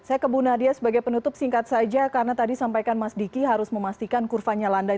saya ke bu nadia sebagai penutup singkat saja karena tadi sampaikan mas diki harus memastikan kurvanya landai